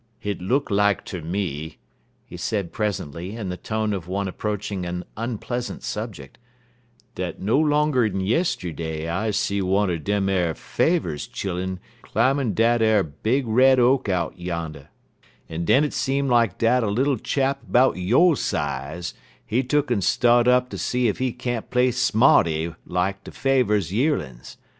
"Hit look like ter me," he said presently, in the tone of one approaching an unpleasant subject, "dat no longer'n yistiddy I see one er dem ar Favers chillun clim'in' dat ar big red oak out yan', en den it seem like dat a little chap 'bout yo' size, he tuck'n start up ter see ef he can't play smarty like de Favers's yearlin's.